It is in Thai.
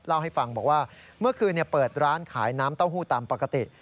เล่าให้ฟังบอกว่าเมื่อคืนเปิดร้านขายน้ำเต้าหู้ตามปกติ